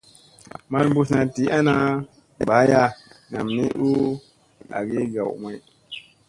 Mal mbuslna dii ana baaya nam ni u agi gaw may.